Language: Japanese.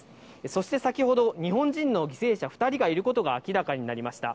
そして先ほど、日本人の犠牲者２人がいることが明らかになりました。